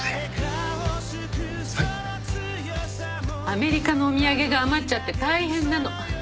アメリカのお土産が余っちゃって大変なの。